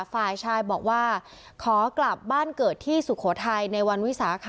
ฝ่ายชายบอกว่าขอกลับบ้านเกิดที่สุโขทัยในวันวิสาค่ะ